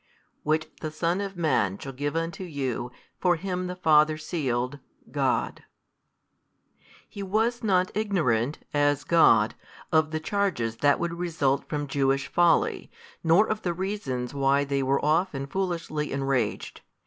which the Son of Man shall give unto you: for Him the Father sealed, God. He was not ignorant, as God, of the charges that would result from Jewish folly, nor of the reasons why they were often foolishly enraged.